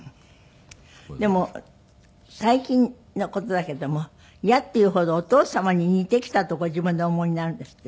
でも最近の事だけども嫌っていうほどお父様に似てきたとご自分でお思いになるんですって？